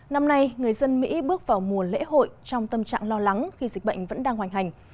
năm nay người dân mỹ bước vào mùa lễ hội trong tâm trạng lo lắng khi dịch bệnh vẫn đang hoành hành